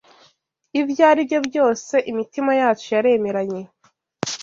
Ibyo ari byo byose imitima yacu yaremeranye